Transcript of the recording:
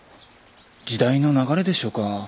時代の流れでしょうか？